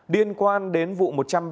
điên quan đến vụ một trăm ba mươi ba